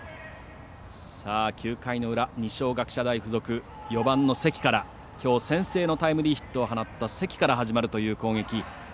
９回の裏二松学舎大付属、４番の関からきょう先制のタイムリーヒットを放った関から始まるという攻撃。